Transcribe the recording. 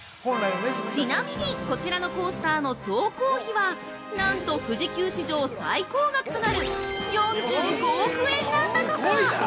◆ちなみにこちらのコースターの総工費はなんと富士急史上最高額となる４５億円なんだとか！